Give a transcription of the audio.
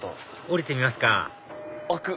降りてみますか開く！